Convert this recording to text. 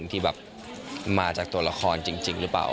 ที่แบบมาจากตัวละครจริงหรือเปล่า